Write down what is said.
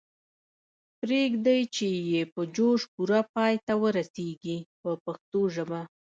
پریږدئ چې یې په جوش پوره پای ته ورسیږي په پښتو ژبه.